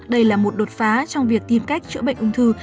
đây là một đột phá trong việc tìm cách chữa bệnh ung thư